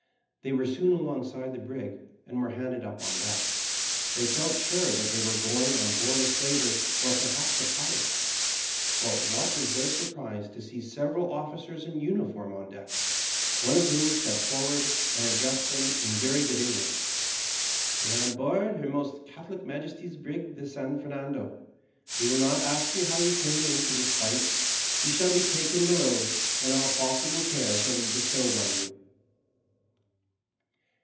They were soon alongside the brig, and were handed up on deck. They felt sure that they were going on board a slaver or perhaps a pirate; but what was their surprise to see several officers in uniform on deck, one of whom stepped forward and addressed them in very good English: "You are on board her most Catholic Majesty's brig the San Fernando. We will not ask you how you came into this plight. You shall be taken below, and all possible care shall be bestowed on you."